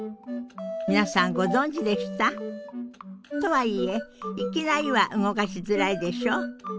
皆さんご存じでした？とはいえいきなりは動かしづらいでしょ？